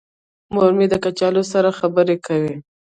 مور مې د کچالو سره خبرې کوي.